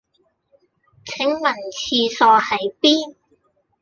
請問廁所喺邊？